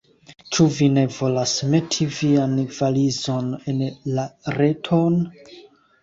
Ĉu vi ne volas meti vian valizon en la reton?